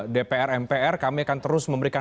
dpr mpr kami akan terus memberikan